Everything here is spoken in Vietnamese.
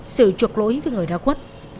sự chuộc lỗi với người đa quốc